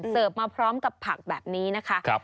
มาพร้อมกับผักแบบนี้นะคะ